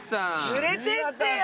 連れてってよ